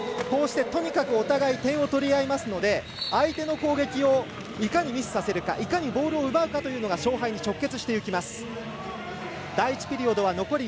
とにかくお互い点を取り合いますので相手の攻撃をいかにミスさせるかいかにボールを奪うかというのが勝敗に直結していきます。